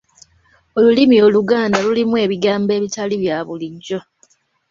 Olulimi Oluganda lulimu ebigambo ebitali bya bulijjo!